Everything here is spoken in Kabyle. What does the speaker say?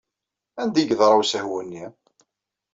Anda ay yeḍra usehwu-nni?